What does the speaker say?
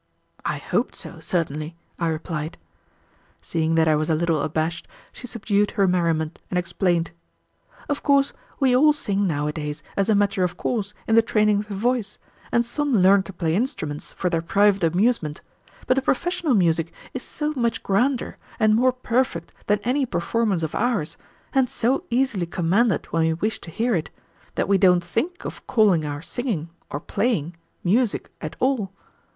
"I hoped so, certainly," I replied. Seeing that I was a little abashed, she subdued her merriment and explained. "Of course, we all sing nowadays as a matter of course in the training of the voice, and some learn to play instruments for their private amusement; but the professional music is so much grander and more perfect than any performance of ours, and so easily commanded when we wish to hear it, that we don't think of calling our singing or playing music at all.